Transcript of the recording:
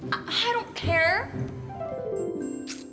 aku ga peduli